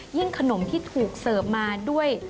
ขนมที่ถูกเสิร์ฟมาด้วย